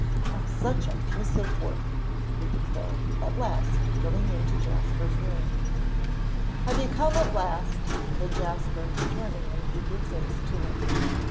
Oh, such a piece of work!" he declared, at last going into Jasper's room. "Have you come at last!" said Jasper, turning an eager face to him.